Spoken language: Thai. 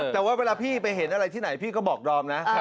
แต่ว่าเวลาพี่ไปเห็นอะไรที่ไหนพี่ก็บอกดอมนะ